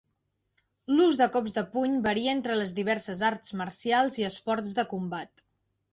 L'ús de cops de puny varia entre les diverses arts marcials i esports de combat.